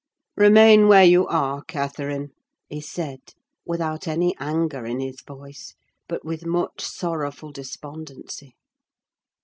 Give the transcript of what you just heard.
"Remain where you are, Catherine," he said; without any anger in his voice, but with much sorrowful despondency.